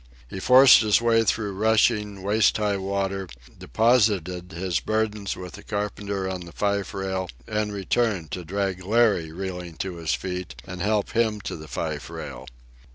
He forced his way through rushing, waist high water, deposited his burdens with the carpenter on the fife rail, and returned to drag Larry reeling to his feet and help him to the fife rail.